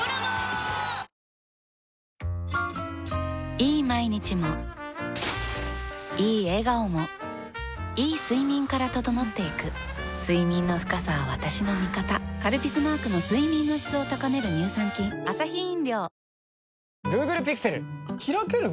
いい毎日もいい笑顔もいい睡眠から整っていく睡眠の深さは私の味方「カルピス」マークの睡眠の質を高める乳酸菌ドーン！